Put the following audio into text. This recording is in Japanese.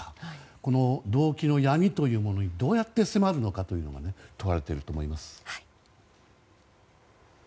この動機の闇というものにどうやって迫るかが問われていると思います。